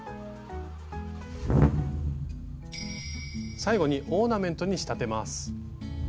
最後にオーナメントに仕立てます。